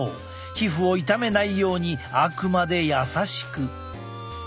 皮膚を傷めないようにあくまで優しく。